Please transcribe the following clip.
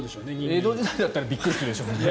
江戸時代だったらびっくりするでしょうね。